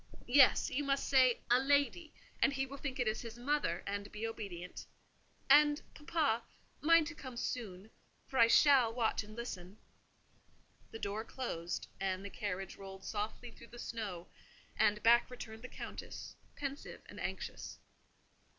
"Yes, you must say a lady; and he will think it is his mother, and be obedient. And, papa, mind to come soon, for I shall watch and listen." The door closed, and the carriage rolled softly through the snow; and back returned the Countess, pensive and anxious.